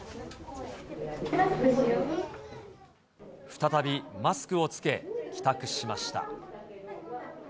再びマスクを着け、帰宅しました。